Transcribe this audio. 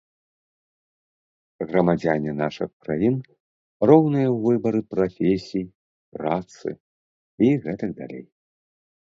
Грамадзяне нашых краін роўныя ў выбары прафесій, працы і гэтак далей.